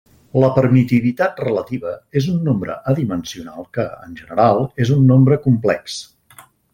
La permitivitat relativa és un nombre adimensional que, en general, és un nombre complex.